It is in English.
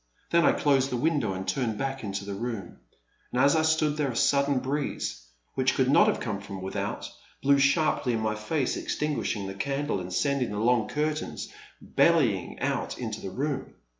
Then I closed the window and turned back into the room; and as I stood there a sudden breeze, which could not have come from without, blew sharply in my face, exting^shing the candle and sending the long curtains bell3ang out into the room.